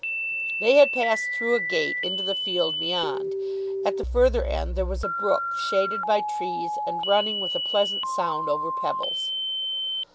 They had passed through a gate into the field beyond. At the further end there was a brook, shaded by trees and running with a pleasant sound over pebbles.